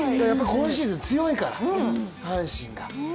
今シーズン強いから、阪神が。